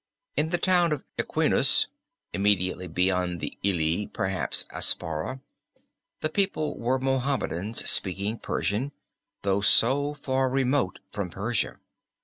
In the town of Equinus (immediately beyond the Ili, perhaps Aspara) the people were Mohammedans speaking Persian, though so far remote from Persia.